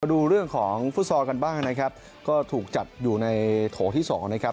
ดูเรื่องของฟุตซอลกันบ้างนะครับก็ถูกจัดอยู่ในโถที่สองนะครับ